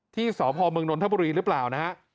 ที่สอบภอมึงนนทบุรีหรือเปล่านะ